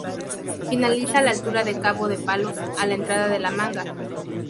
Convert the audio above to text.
Finaliza a la altura de Cabo de Palos, a la entrada de La Manga.